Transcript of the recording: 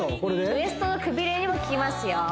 ウエストのくびれにも効きますよ